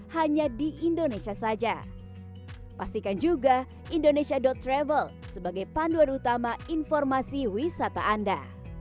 hanya di indonesia saja pastikan juga indonesia travel sebagai panduan utama informasi wisata anda